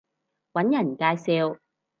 搵人介紹